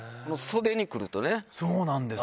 そうなんです。